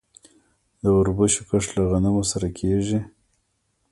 د وربشو کښت له غنمو سره کیږي.